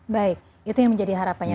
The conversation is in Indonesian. baik itu yang menjadi harapannya